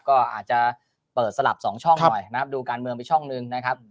ก็อาจจะเปิดสลับสองช่องหน่อยนะครับดูการเมืองไปช่องหนึ่งนะครับ